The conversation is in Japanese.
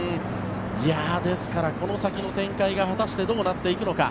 ですから、この先の展開が果たしてどうなっていくのか。